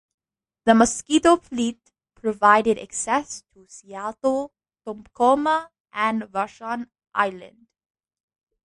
The Mosquito Fleet provided access to Seattle, Tacoma, and Vashon Island.